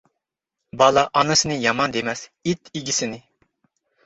بالا ئانىسىنى يامان دېمەس، ئىت ئىگىسىنى.